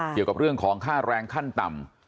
เกี่ยวกับเรื่องของค่าแรงขั้นต่ำ